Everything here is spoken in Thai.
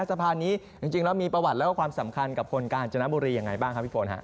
สะพานนี้จริงแล้วมีประวัติแล้วก็ความสำคัญกับคนกาญจนบุรียังไงบ้างครับพี่ฝนฮะ